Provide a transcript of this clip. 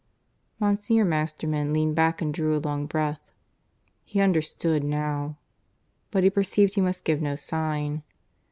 Monsignor Masterman leaned back and drew a long breath. He understood now. But he perceived he must give no sign.